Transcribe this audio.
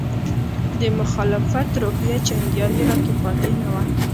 د مخالفت روحیه چندانې راکې پاتې نه وه.